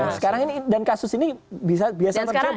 sekarang ini dan kasus ini bisa biasa terjadi